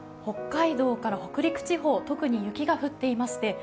北海道から北陸地方、特に雪が降っていまして